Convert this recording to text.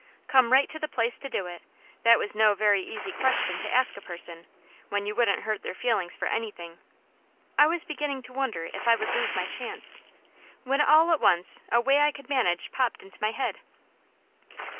Come right to the place to do it, that was no very easy question to ask a person, when you wouldn't hurt their feelings for anything; I was beginning to wonder if I would lose my chance, when all at once a way I could manage popped into my mind.